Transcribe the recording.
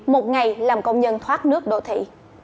một ngày làm công nhân thoát nước đô thị